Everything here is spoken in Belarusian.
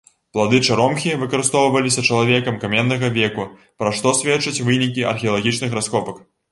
Плады чаромхі выкарыстоўваліся чалавекам каменнага веку, пра што сведчаць вынікі археалагічных раскопак.